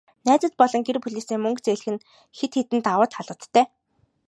Найзууд болон гэр бүлээсээ мөнгө зээлэх нь хэд хэдэн давуу талуудтай.